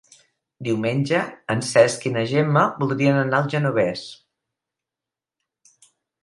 Diumenge en Cesc i na Gemma voldrien anar al Genovés.